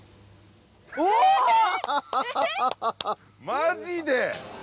⁉マジで⁉